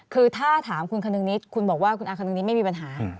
คือถ้าถามคุณคนึงนิดคุณบอกว่าคุณอาคนึงนิดไม่มีปัญหา